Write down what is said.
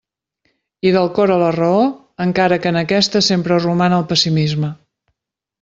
I del cor a la raó, encara que en aquesta sempre roman el pessimisme.